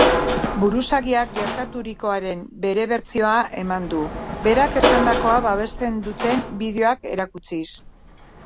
Buruzagiak gertaturikoaren bere bertsioa eman du, berak esandakoa babesten duten bideoak erakutsiz.